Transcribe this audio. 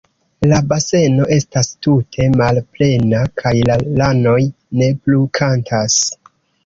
La baseno estas tute malplena, kaj la ranoj ne plu kantas.